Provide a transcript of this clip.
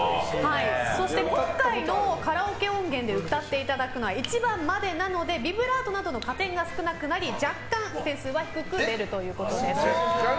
そして、今回のカラオケ音源で歌っていただくのは１番までなのでビブラートなどの加点が少なくなり若干、点数は低く出るということです。